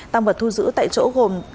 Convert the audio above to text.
tăng vật thu giữ tại chỗ gồm